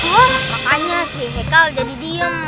makanya sih hekal jadi diem